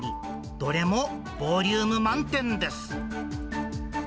どれもボリューム満点です。